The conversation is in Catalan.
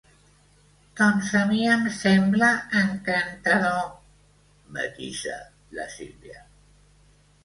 Doncs a mi em sembla encantador —matisa la Sílvia.